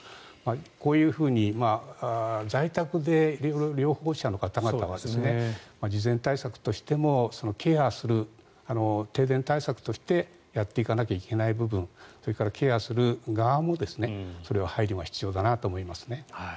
こういうふうに在宅療法者の方々は事前対策としてもケアする停電対策としてやっていかなきゃいけない部分それからケアする側もそれは配慮が必要だなと思いますね。